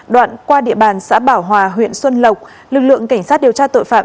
đoạn qua địa bàn xã bảo hòa huyện xuân lộc lực lượng cảnh sát điều tra tội phạm